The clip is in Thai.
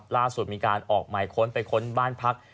ล่าสุดมีการออกหมายค้นไปค้นบ้านพัก